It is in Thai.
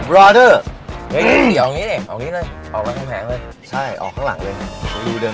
อร่อยเย้เอานี่เอานี่เลยออกเลยใช่ออกข้างหลังเลย